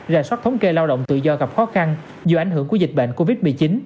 rà soát thống kê lao động tự do gặp khó khăn do ảnh hưởng của dịch bệnh covid một mươi chín